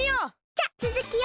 じゃつづきを！